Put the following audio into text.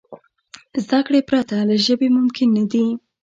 زدهکړې پرته له ژبي ممکن نه دي.